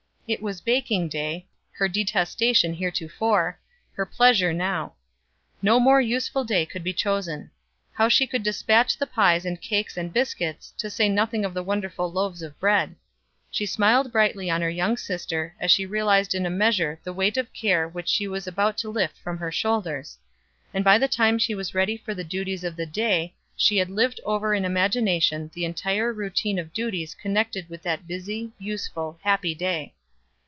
It was baking day her detestation heretofore, her pleasure now. No more useful day could be chosen. How she would dispatch the pies and cakes and biscuits, to say nothing of the wonderful loaves of bread. She smiled brightly on her young sister, as she realized in a measure the weight of care which she was about to lift from her shoulders; and by the time she was ready for the duties of the day she had lived over in imagination the entire routine of duties connected with that busy, useful, happy day.